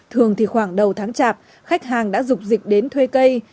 thường thì khoảng đầu tháng chạp khách hàng đã dục dịch đến thuê cây